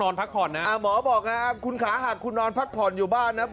พักผ่อนนะอ่าหมอบอกนะครับคุณขาหากคุณนอนพักผ่อนอยู่บ้านนะ